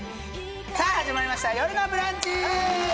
さあ始まりました「よるのブランチ」！